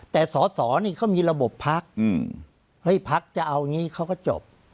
แต่สอสอนี่เขามีระบบพักเฮ้ยพักจะเอาอย่างนี้เขาก็จบ